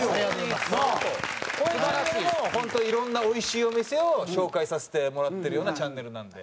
高円寺の中でも本当いろんなおいしいお店を紹介させてもらってるようなチャンネルなんで。